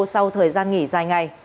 sau thời gian nghỉ dài ngày